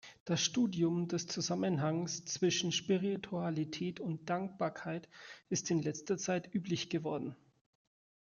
Das Studium des Zusammenhangs zwischen Spiritualität und Dankbarkeit ist in letzter Zeit üblich geworden.